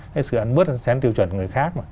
cái sự ăn bứt ăn xén tiêu chuẩn người khác